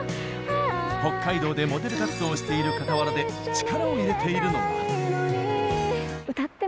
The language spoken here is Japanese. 北海道でモデル活動をしている傍らで力を入れているのが。